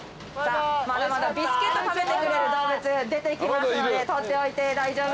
まだまだビスケット食べてくれる動物出てきますので取っておいて大丈夫です。